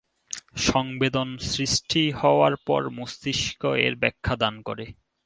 সংবেদন সৃষ্টি হওয়ার পর মস্তিষ্ক এর ব্যাখ্যা দান করে।